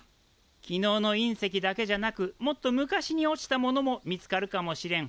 昨日の隕石だけじゃなくもっと昔に落ちたものも見つかるかもしれん。